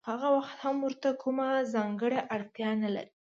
هغه وخت هم ورته کومه ځانګړې اړتیا نلري